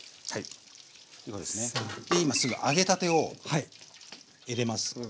今すぐ揚げたてを入れます。